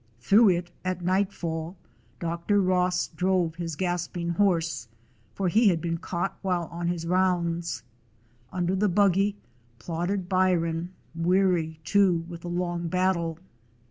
Through it at night fall Dr. Ross drove his gasping horse, for he had been caught while on his rounds. Under the buggy plodded Byron, weary, too, with the long battle.